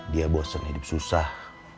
dia bosen hidup susah